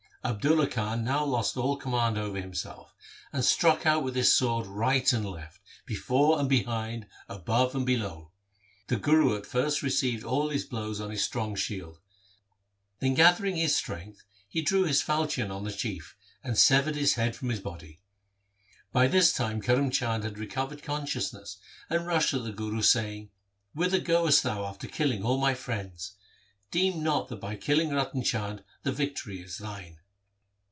Abdulla Khan now lost all command over himself, and struck out with his sword right and left, before and behind, above and below. The Guru at first received all his blows on his strong shield. Then gathering his strength he drew his falchion on the Chief, and severed his head from his body. By this time Karm Chand had recovered consciousness and rushed at the Guru saying, ' Whither goest thou after killing all my friends ? Deem not that by killing Ratan Chand the victory is thine.'